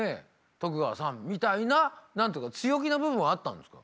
徳川さん」みたいななんて言うか強気な部分もあったんですか？